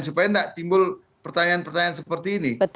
supaya tidak timbul pertanyaan pertanyaan seperti ini